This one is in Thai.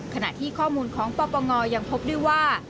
ขณะที่ข้อมูลของปปงยังพบด้วยว่า